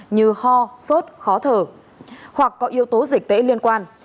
như ho sốt khó thở hoặc có yếu tố dịch tễ liên quan